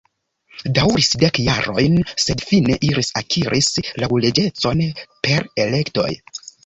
Daŭris dek jarojn, sed fine ili akiris laŭleĝecon per elektoj.